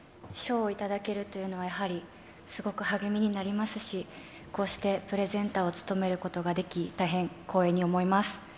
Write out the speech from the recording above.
賞を頂けるというのはやはりすごく励みになりますし、こうしてプレゼンターを務めることができ、大変光栄に思います。